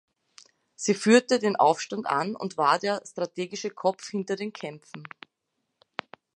Sie führte den Aufstand an und war der strategische Kopf hinter den Kämpfen.